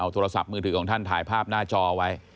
โทรศัพท์มือถือของท่านถ่ายภาพหน้าจอไว้